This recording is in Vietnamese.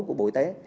của bộ y tế